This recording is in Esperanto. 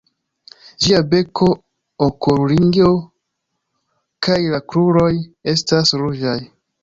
Ĝia beko, okulringo kaj la kruroj estas ruĝaj.